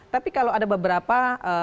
tapi kalau ada beberapa